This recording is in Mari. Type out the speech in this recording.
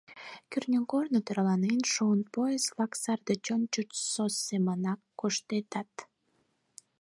Кӱртньыгорно тӧрланен шуын: поезд-влак сар деч ончычсо семынак коштедат.